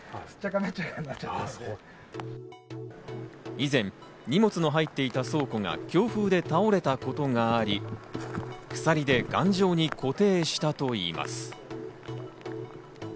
以前、荷物の入っていた倉庫が強風で倒れたことがあり、鎖で頑丈に固定したといいます。